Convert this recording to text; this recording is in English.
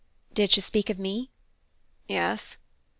"Did she speak of me?" "Yes."